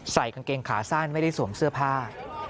กางเกงขาสั้นไม่ได้สวมเสื้อผ้า